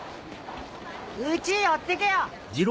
うちへ寄ってけよ。